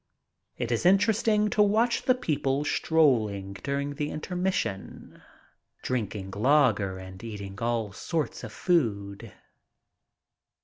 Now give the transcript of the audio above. It is interesting to watch the people strolling during the intermission, drinking lager and eating all sorts of food.